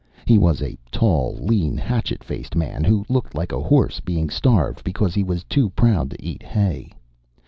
He was a tall, lean, hatchet faced man who looked like a horse being starved because he was too proud to eat hay.